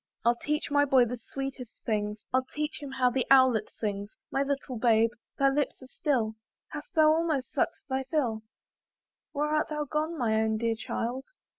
I'll teach my boy the sweetest things; I'll teach him how the owlet sings. My little babe! thy lips are still, And thou hast almost suck'd thy fill. Where art thou gone my own dear child?